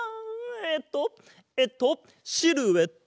えっとえっとシルエット！